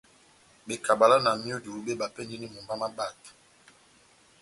Bekabala na myudu mébapɛndini mumba má bato.